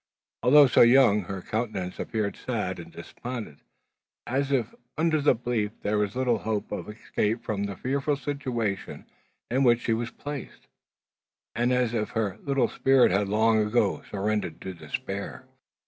Although so young, her countenance appeared sad and despondent, as if under the belief that there was little hope of escape from the fearful situation in which she was placed, and as if her little spirit had long ago surrendered to despair.